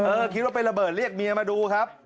คิดว่าเป็นระเบิดเรียกเมียมาดูครับ